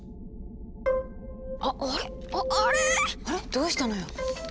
どうしたのよ。